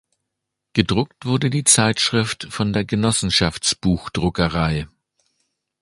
Gedruckt wurde die Zeitschrift von der Genossenschafts-Buchdruckerei.